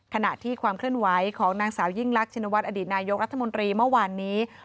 ขณะที่ความเคลื่อนไหวของนางสาวยิ่งรักชินวัฒนอดีตนายกรัฐมนตรีเมื่อวานนี้